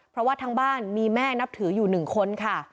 เพราะว่าทั้งบ้านมีแม่นับถืออยู่๑คนค่ะ